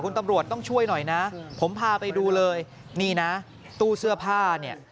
คุณตำรวจต้องช่วยหน่อยนะผมพาไปดูเลยนี่นะตู้เสื้อผ้าเนี่ย